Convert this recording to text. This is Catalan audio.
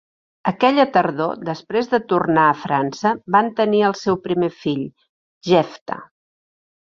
Aquella tardor, després de tornar a França, van tenir el seu primer fill, Jephta.